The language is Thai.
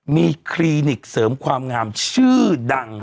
มีคลินิกเสริมความงามชื่อดัง